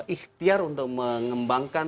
ikhtiar untuk mengembangkan